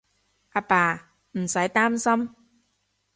阿爸，唔使擔心